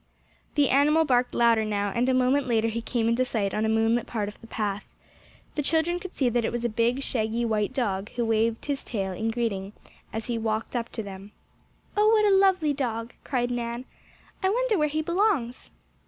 The animal barked louder now, and a moment later he came into sight on a moonlit part of the path. The children could see that it was a big, shaggy white dog, who wagged his tail in greeting as he walked up to them. "Oh, what a lovely dog!" cried Nan. "I wonder where he belongs?"